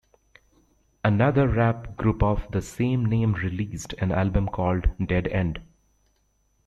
Another rap group of the same name released an album called "Dead End".